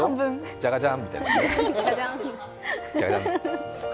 ジャガジャン！みたいな。